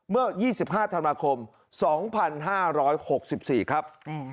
เมื่อ๒๕ธันวาคม๒๕๖๔ครับ